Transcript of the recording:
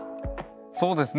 そうですね。